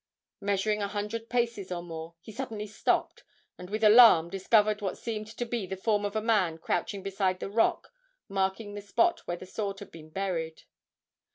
Measuring a hundred paces or more, he suddenly stopped, and with alarm discovered what seemed to be the form of a man crouching beside the rock marking the spot where the sword had been buried.